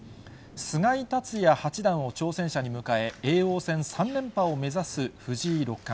菅井竜也八段を挑戦者に迎え、叡王戦３連覇を目指す藤井六冠。